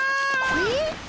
えっ？